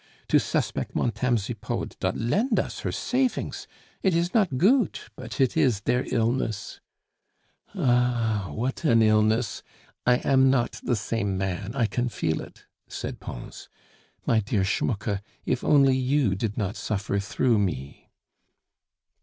"To suspect Montame Zipod, dot lend us her safings! It is not goot; but it is der illness " "Ah! what an illness! I am not the same man, I can feel it," said Pons. "My dear Schmucke, if only you did not suffer through me!"